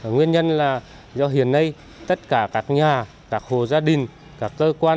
nguyên nhân là do hiện nay tất cả các nhà các hồ gia đình các cơ quan